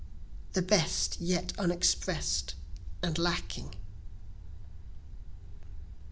the best yet unexpress'd and lacking.)